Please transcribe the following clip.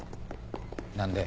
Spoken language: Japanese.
何で？